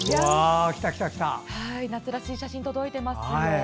夏らしい写真、届いてますよ。